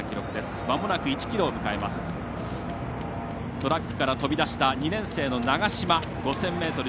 トラックから飛び出した２年生の長嶋。